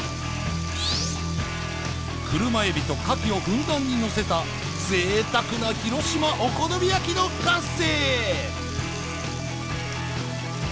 車エビとカキをふんだんにのせたぜいたくな広島お好み焼きの完成